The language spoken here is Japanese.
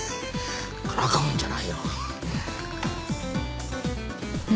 からかうんじゃないよ。